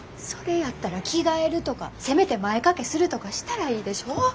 それやったら着替えるとかせめて前掛けするとかしたらいいでしょ！